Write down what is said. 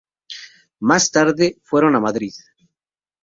Más tarde, se fueron a Madrid.